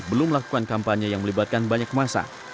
belum melakukan kampanye yang melibatkan banyak masa